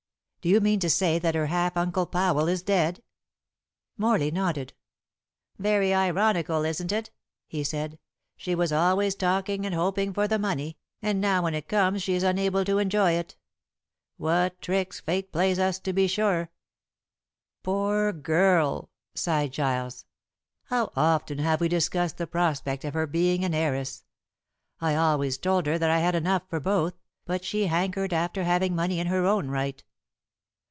"Do you mean to say that her half uncle Powell is dead?" Morley nodded. "Very ironical, isn't it?" he said. "She was always talking and hoping for the money, and now when it comes she is unable to enjoy it. What tricks Fate plays us to be sure!" "Poor girl!" sighed Giles; "how often have we discussed the prospect of her being an heiress! I always told her that I had enough for both, but she hankered after having money in her own right."